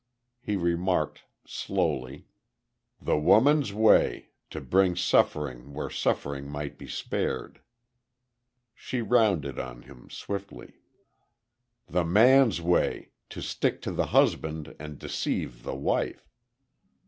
He remarked, slowly: "The woman's way: To bring suffering where suffering might be spared." She rounded on him, swiftly. "The man's way: to stick to the husband, and deceive the wife....